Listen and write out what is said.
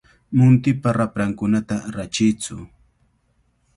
Muntipa raprankunata rachiytsu.